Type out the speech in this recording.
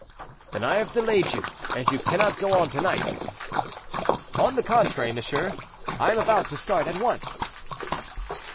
"Then I have delayed you, and you cannot go on to night." "On the contrary, monsieur, I am about to start at once."